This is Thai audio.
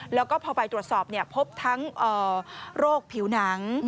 แล้วก็พอไปตรวจสอบพบทั้งโรคผิวหนัง